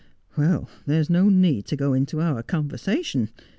"Well, there's no need to go into our conversation.